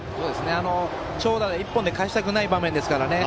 長打１本でかえしたくない場面ですからね。